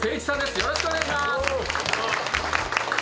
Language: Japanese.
よろしくお願いします！